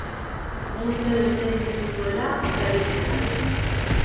Bi urte besterik ez zituela aita hil zitzaion.